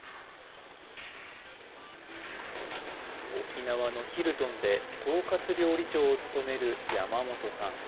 沖縄のヒルトンで統括料理長を務める山本さん